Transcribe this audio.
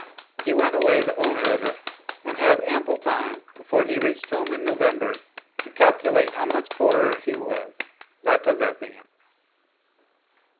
He went away the owner of it, and had ample time before he reached home in November, to calculate how much poorer he was by possessing it.